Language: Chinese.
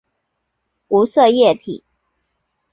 无色液体。